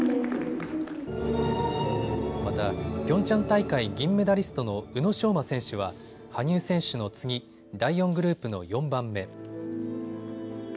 また、ピョンチャン大会銀メダリストの宇野昌磨選手は羽生選手の次、第４グループの４番目。